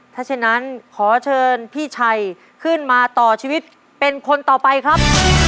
ถ้าฉะนั้นขอเชิญพี่ชัยขึ้นมาต่อชีวิตเป็นคนต่อไปครับ